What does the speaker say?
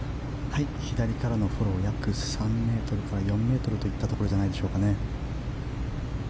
左からのフォロー約３ｍから４ｍといったところじゃないでしょうか。